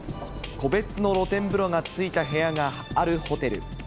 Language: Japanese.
個別の露天風呂がついた部屋があるホテル。